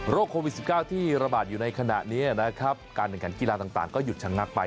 โควิด๑๙ที่ระบาดอยู่ในขณะนี้นะครับการแข่งขันกีฬาต่างก็หยุดชะงักไป